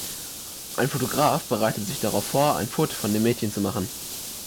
Ein Fotograf bereitet sich darauf vor, ein Foto von dem Mädchen zu machen.